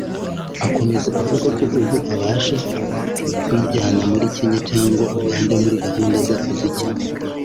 Akomeza avuga ko ubu abasha kwijyana muri Kenya cyangwa Uganda muri gahunda z’akazi ke